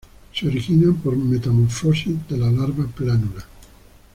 Se originan por metamorfosis de la larva plánula.